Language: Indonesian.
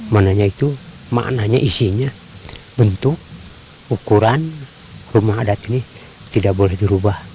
maknanya itu maknanya isinya bentuk ukuran rumah adat ini tidak boleh dirubah